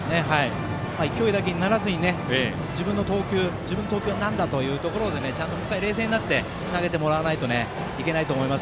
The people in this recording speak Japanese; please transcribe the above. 勢いだけにならずに自分の投球はなんだというところでちゃんと冷静に投げてもらわないといけません。